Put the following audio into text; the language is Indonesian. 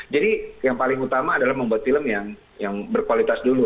jadi yang paling utama adalah membuat film yang berkualitas dulu